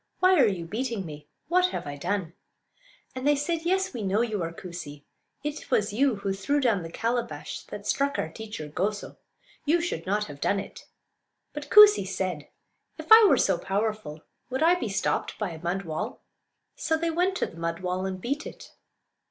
Why are you beating me? What have I done?" And they said: "Yes, we know you are Koosee; it was you who threw down the calabash that struck our teacher Goso. You should not have done it." But Koosee said, "If I were so powerful would I be stopped by a mud wall?" So they went to the mud wall and beat it.